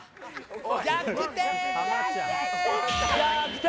逆転！